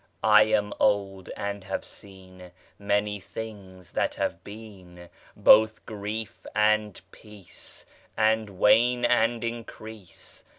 I am old and have seen Many things that have been; Both grief and peace And wane and increase.